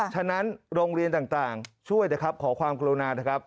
ฉะนั้นโรงเรียนต่างช่วยนะครับขอความกรุณานะครับ